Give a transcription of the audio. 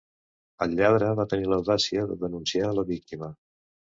El lladre va tenir l'audàcia de denunciar la víctima.